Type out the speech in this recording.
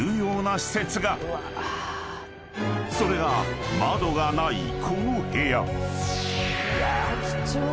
［それが窓がないこの部屋］